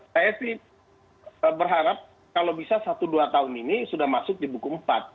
saya sih berharap kalau bisa satu dua tahun ini sudah masuk di buku empat